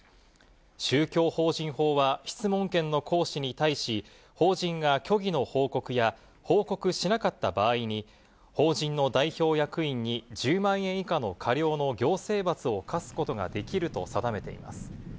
宗教法人法は、質問権の行使に対し、法人が虚偽の報告や報告しなかった場合に、法人の代表役員に１０万円以下の過料の行政罰を科すことができると定めています。